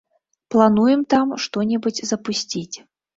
Плануем там што-небудзь запусціць.